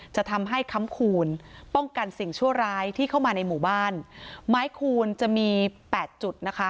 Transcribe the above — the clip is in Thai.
จะทำให้ค้ำคูณป้องกันสิ่งชั่วร้ายที่เข้ามาในหมู่บ้านไม้คูณจะมีแปดจุดนะคะ